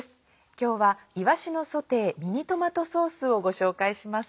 今日は「いわしのソテーミニトマトソース」をご紹介します。